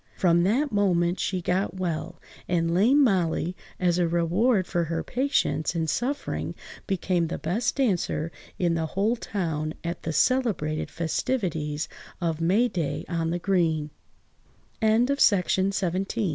From that moment she got well, and lame Molly, as a reward for her patience in suffering, became the best dancer in the whole town at the celebrated festivities of May–day on the green. THE BROWN MAN OF THE MOORS.